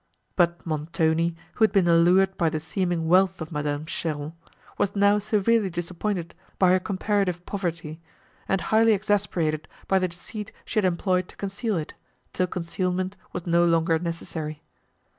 But Montoni, who had been allured by the seeming wealth of Madame Cheron, was now severely disappointed by her comparative poverty, and highly exasperated by the deceit she had employed to conceal it, till concealment was no longer necessary.